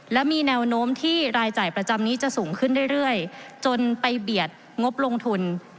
และมีแนวโน้มที่รายจ่ายประจำนี้จะสูงขึ้นเรื่อยจนไปเบียดงบลงทุน